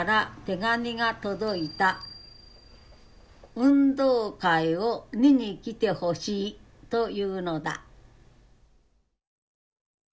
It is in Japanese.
運動会を見に来てほしいというのだ。